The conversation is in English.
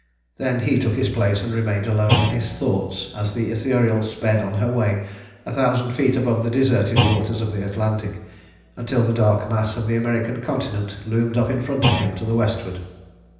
Then he took his place, and remained alone with his thoughts as the Ithuriel sped on her way a thousand feet above the deserted waters of the Atlantic, until the dark mass of the American Continent loomed up in front of him to the westward.